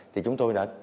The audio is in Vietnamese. thì chúng tôi đã